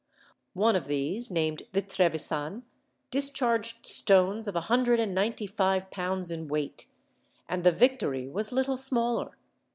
One of these, named the Trevisan, discharged stones of a hundred and ninety five pounds in weight, and the Victory was little smaller.